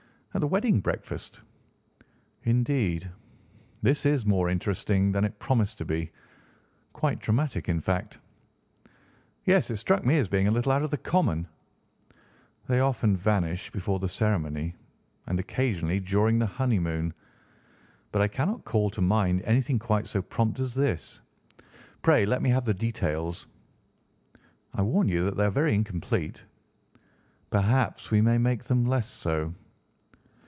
"At the wedding breakfast." "Indeed. This is more interesting than it promised to be; quite dramatic, in fact." "Yes; it struck me as being a little out of the common." "They often vanish before the ceremony, and occasionally during the honeymoon; but I cannot call to mind anything quite so prompt as this. Pray let me have the details." "I warn you that they are very incomplete." "Perhaps we may make them less so."